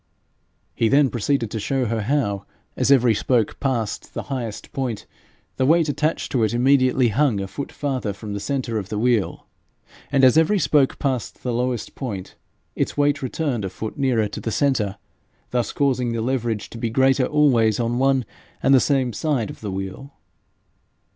He then proceeded to show her how, as every spoke passed the highest point, the weight attached to it immediately hung a foot farther from the centre of the wheel, and as every spoke passed the lowest point, its weight returned a foot nearer to the centre, thus causing the leverage to be greater always on one and the same side of the wheel.